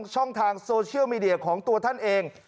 ช่องทางโซเชียลมีเดียของตัวท่านเอง